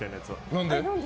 何で？